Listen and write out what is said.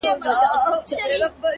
o څښل مو تويول مو شرابونه د جلال؛